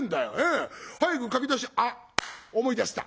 早く書き出しあっ思い出した！